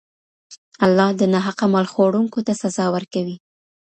الله د ناحقه مال خوړونکو ته سزا ورکوي.